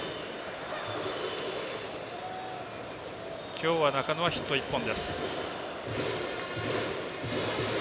今日は、中野はヒット１本。